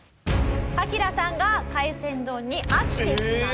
カキダさんが海鮮丼に飽きてしまう。